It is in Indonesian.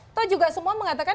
atau juga semua mengatakan